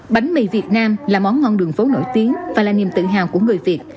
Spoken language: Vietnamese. bánh mì việt nam là món ngon đường phố nổi tiếng và là niềm tự hào của người việt